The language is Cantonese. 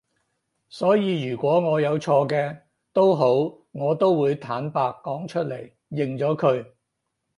所以如果我有錯嘅都好我都會坦白講出嚟，認咗佢